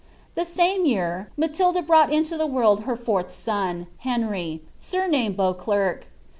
The same year, BCatOda brought into the world her fourth son, Henry, sumamed Beauderk.